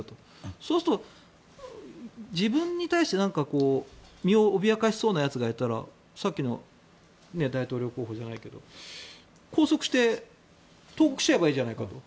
そうすると自分に対して身を脅かしそうなやつがいたらさっきの大統領候補じゃないけど拘束して投獄しちゃえばいいじゃないかと。